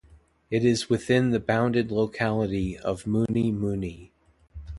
It is within the bounded locality of Mooney Mooney.